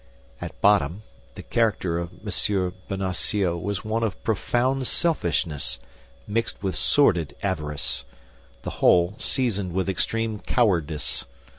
At bottom the character of M. Bonacieux was one of profound selfishness mixed with sordid avarice, the whole seasoned with extreme cowardice.